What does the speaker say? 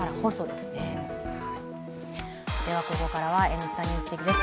では、ここからは「Ｎスタ・ＮＥＷＳＤＩＧ」です。